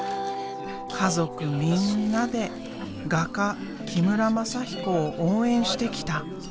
家族みんなで画家木村全彦を応援してきた。